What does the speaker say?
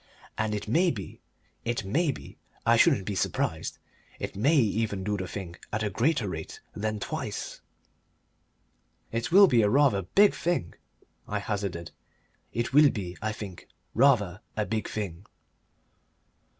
"And it may be, it may be I shouldn't be surprised it may even do the thing at a greater rate than twice." "It will be rather a big thing," I hazarded. "It will be, I think, rather a big thing."